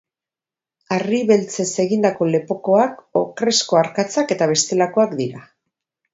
Harri beltzez egindako lepokoak, okrezko arkatzak eta bestelakoak dira.